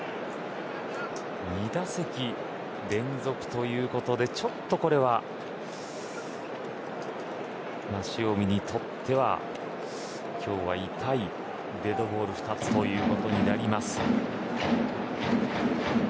２打席連続ということでちょっとこれは塩見にとっては今日は痛いデッドボール２つということになります。